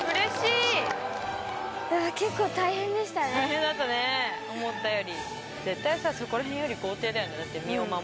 大変だったね思ったより。